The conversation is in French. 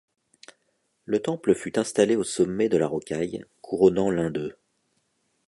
Le temple fut installé au sommet de la rocaille couronnant l'un d'eux.